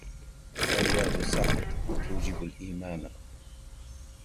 آيات سعد توجب الإيمانا